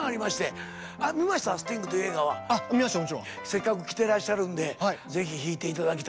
せっかく来てらっしゃるんでぜひ弾いて頂きたいと。